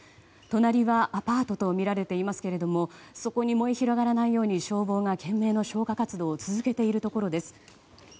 隣はアパートとみられていますけれどもそこに燃え広がらないように消防が懸命の消火活動を続けているところです。